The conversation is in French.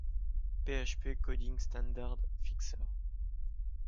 PHP Coding Standard Fixer.